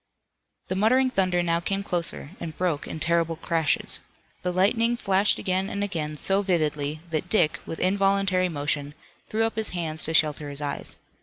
The muttering thunder now came closer and broke in terrible crashes. The lightning flashed again and again so vividly that Dick, with involuntary motion, threw up his hands to shelter his eyes.